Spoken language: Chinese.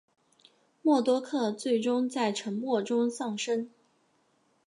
默多克最终在沉没中丧生。